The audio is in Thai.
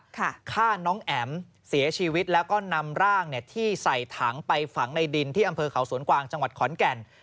ฆ่าน้องแอ๋มเสียชีวิตแล้วก็นำร่างเนี่ยที่ใส่ถังไปฝังในดินที่อำเภอเขาสวนกวางจังหวัดขอนแก่น